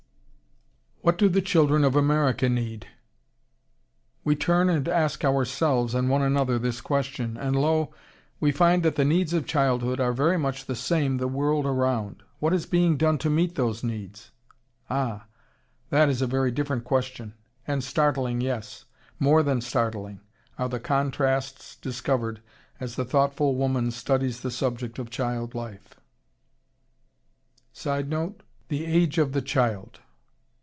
"What do the children of America need?" We turn and ask ourselves and one another this question. And lo! we find that the needs of childhood are very much the same the world around. What is being done to meet those needs? Ah! that is a very different question, and startling, yes, more than startling, are the contrasts discovered as the thoughtful woman studies the subject of child life. [Sidenote: "The Age of the Child."